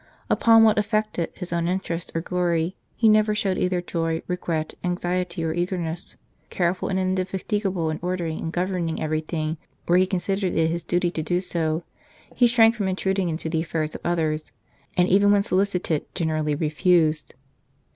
Upon what affected his own interest or glory he never showed either joy, regret, anxiety, or eagerness. Careful and indefatigable in order ing and governing everything, where he considered it his duty to do so, he shrank from intruding into the affairs of others, and even when solicited generally refused."